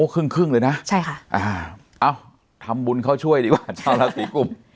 ครึ่งเลยนะใช่ค่ะเอ้าทำบุญเขาช่วยดีกว่าชาวราศีกุม